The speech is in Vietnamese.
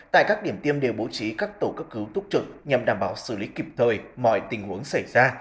tại các điểm tiêm đều bố trí các tổ cấp cứu túc trực nhằm đảm bảo xử lý kịp thời mọi tình huống xảy ra